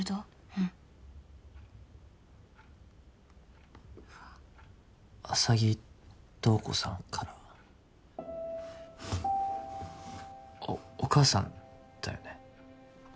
うん浅葱塔子さんからおお母さんだよね？